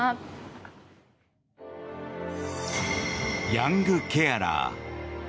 ヤングケアラー。